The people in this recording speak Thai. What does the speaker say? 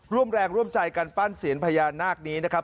ร่วมแรงร่วมใจกันปั้นเสียนพญานาคนี้นะครับ